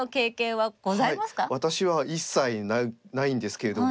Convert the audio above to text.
私は一切ないんですけれども。